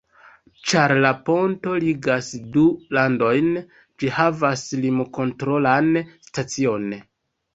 Ĉar la ponto ligas du landojn, ĝi havas lim-kontrolan stacion.